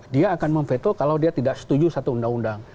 dia akan memveto kalau dia tidak setuju satu undang undang